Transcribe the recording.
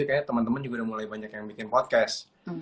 kayaknya teman teman juga udah mulai banyak yang bikin podcast